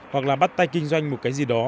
hoặc là bắt tay kinh doanh một cái gì đó